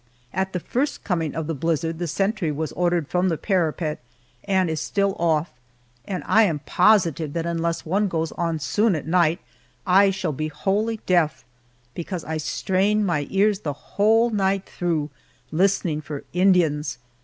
At the first coming of the blizzard the sentry was ordered from the parapet, and is still off, and I am positive that unless one goes on soon at night I shall be wholly deaf, because I strain my ears the whole night through listening for Indians.